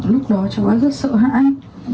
lúc đó cháu đã rất sợ hãi